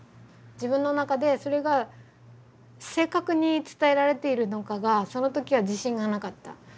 自分の中でそれが正確に伝えられているのかがその時は自信がなかった。